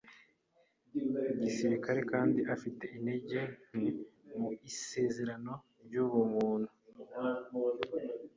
gisirikare kandi afite intege nke mu isezerano ry'ubumuntu